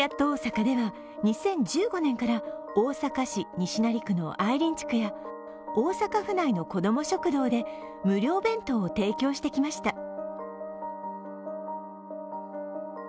大阪では２０１５年から大阪市西成区のあいりん地区や大阪府内のこども食堂で無料弁当を提供してきました。